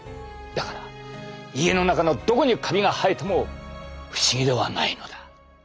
だから家の中のどこにカビが生えても不思議ではないのだ！